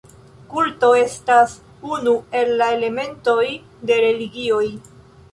Kulto estas unu el la elementoj de religioj.